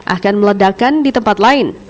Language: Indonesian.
akan meledakan di tempatnya